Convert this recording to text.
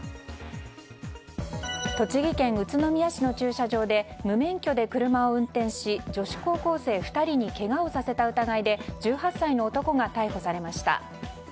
栃木県宇都宮市の駐車場で無免許で車を運転し女子高校生２人にけがをさせた疑いで１８歳の男が逮捕されました。